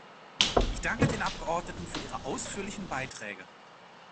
Ich danke den Abgeordneten für ihre ausführlichen Beiträge.